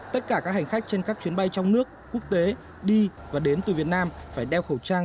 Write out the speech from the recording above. tất cả các hành khách trên các chuyến bay trong nước quốc tế đi và đến từ việt nam phải đeo khẩu trang